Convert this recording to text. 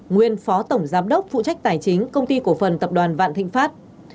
nguyên phó tổng giám đốc phụ trách tài chính công ty cổ phần tập đoàn vạn thịnh pháp